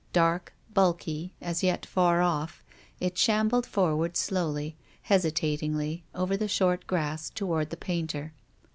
Dark, bulky, as yet far off, it shambled forward slowly, hesitatingly, over the short grass towards the painter.